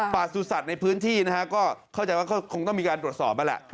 ปลาสูตรสัตว์ในพื้นที่ก็เข้าใจว่าเขาคงต้องมีการตรวจสอบแล้ว